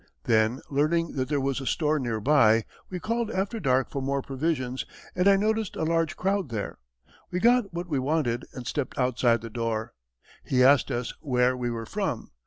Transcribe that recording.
Then learning that there was a store nearby, we called after dark for more provisions and I noticed a large crowd there. We got what we wanted, and stepped outside the door. He asked us where we were from.